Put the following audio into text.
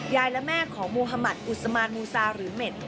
และแม่ของมุธมัติอุศมานมูซาหรือเม็ด